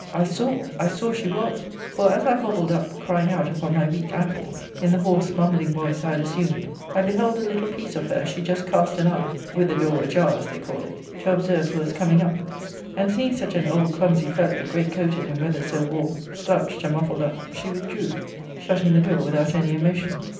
I saw, I saw she was! for as I hobbled up, crying out upon my weak ancles, in the hoarse mumbling voice I had assumed, I beheld a little piece of her as she just cast an eye (with the door a jar, as they call it) to observe who was coming up; and, seeing such an old clumsy fellow, great coated in weather so warm, slouched and muffled up, she withdrew, shutting the door without any emotion.